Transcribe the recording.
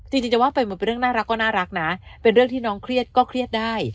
จริงจะว่าไปมันเป็นเรื่องน่ารักก็น่ารักนะเป็นเรื่องที่น้องเครียดก็เครียดได้